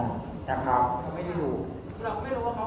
กฎบดรงอธกตรภลาบดรรง